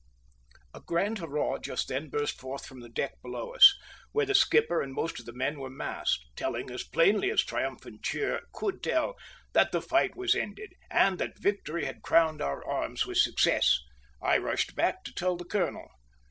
A grand hurrah just then burst forth from the deck below us, where the skipper and most of the men were massed, telling as plainly as triumphant cheer could tell, that the fight was ended, and that victory had crowned our arms with success. I rushed back to tell the colonel.